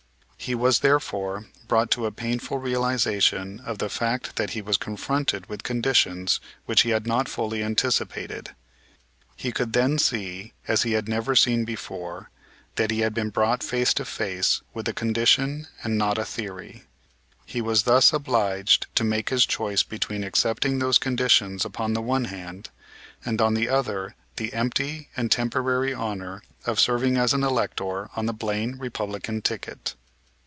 He was, therefore, brought to a painful realization of the fact that he was confronted with conditions which he had not fully anticipated. He could then see, as he had never seen before, that he had been brought face to face with a condition and not a theory. He was thus obliged to make his choice between accepting those conditions upon the one hand, and on the other the empty and temporary honor of serving as an elector on the Blaine Republican ticket.